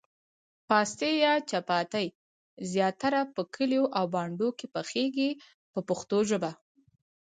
پاستي یا چپاتي زیاتره په کلیو او بانډو کې پخیږي په پښتو ژبه.